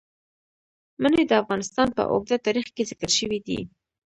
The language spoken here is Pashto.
منی د افغانستان په اوږده تاریخ کې ذکر شوی دی.